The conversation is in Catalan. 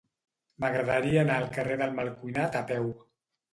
M'agradaria anar al carrer del Malcuinat a peu.